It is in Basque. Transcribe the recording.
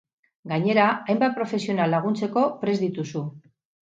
Gainera, hainbat profesional laguntzeko prest dituzu.